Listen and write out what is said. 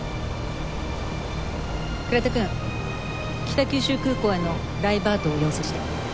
倉田くん北九州空港へのダイバートを要請して。